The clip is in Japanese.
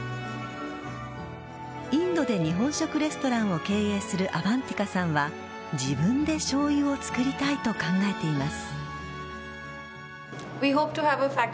インドで日本食レストランを経営するアバンティカさんは自分でしょうゆを作りたいと考えています。